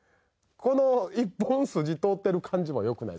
この１本筋通ってる感じもよくないっすか？